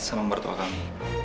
sama mertua kami